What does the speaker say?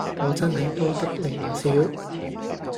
我真係多得你唔少